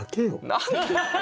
何で？